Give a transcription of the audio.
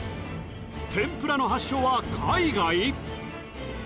天ぷらの発祥は海外！？